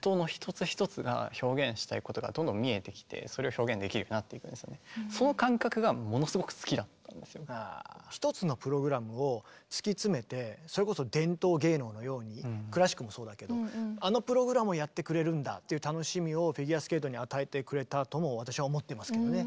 ずっと続けることによってどんどんどんどん音の１つ１つが一つのプログラムを突き詰めてそれこそ伝統芸能のようにクラシックもそうだけどあのプログラムをやってくれるんだっていう楽しみをフィギュアスケートに与えてくれたとも私は思ってますけどね。